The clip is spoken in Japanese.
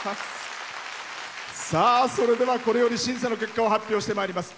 それではこれより審査の結果を発表してまいります。